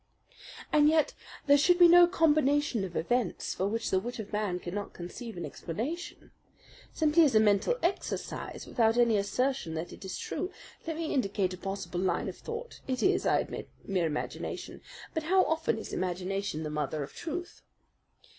"And yet there should be no combination of events for which the wit of man cannot conceive an explanation. Simply as a mental exercise, without any assertion that it is true, let me indicate a possible line of thought. It is, I admit, mere imagination; but how often is imagination the mother of truth?